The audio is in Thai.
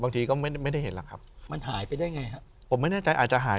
บางทีก็ไม่ได้เห็นหรอกครับมันหายไปได้ไงฮะผมไม่แน่ใจอาจจะหาย